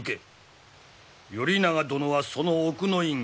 頼長殿はその奥の院